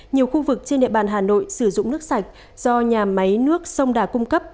nhiều khu vực trên địa bàn hà nội sử dụng nước sạch do nhà máy nước sông đà cung cấp